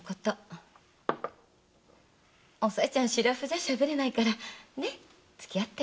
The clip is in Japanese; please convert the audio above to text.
おさいちゃん素面じゃしゃべれないからつきあってよ。